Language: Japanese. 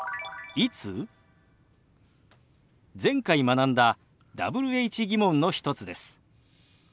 前回学んだＷｈ−疑問の一つです。